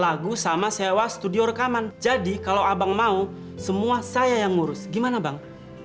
lagu sama sewa studio rekaman jadi kalau abang mau semua saya yang ngurus gimana bang